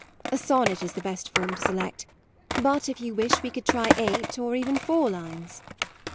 A sonnet is the best form to select; but, if you wish, we could try eight, or even four lines."